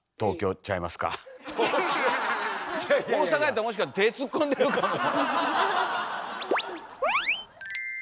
大阪やったらもしか手突っ込んでるかも。